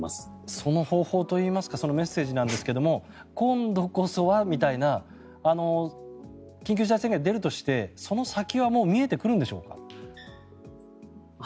その方法というかメッセージなんですが今度こそはみたいな緊急事態宣言が出るとしてその先はもう見えてくるのでしょうか。